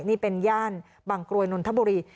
นี่เป็นย่านบางกรวยนนทบุรี